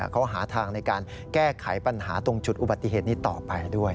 เขาหาทางในการแก้ไขปัญหาตรงจุดอุบัติเหตุนี้ต่อไปด้วย